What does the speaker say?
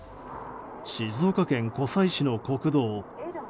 静岡県湖西市の国道。